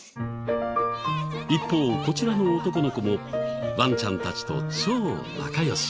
一方こちらの男の子もワンちゃんたちと超仲良し。